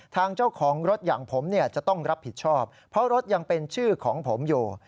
ทางเจ้าของรถอย่างผมเนี่ยจะต้องรับผิดชอบเพราะรถยังเป็นชื่อของผมอยู่